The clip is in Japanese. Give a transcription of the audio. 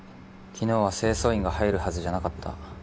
昨日は清掃員が入るはずじゃなかった。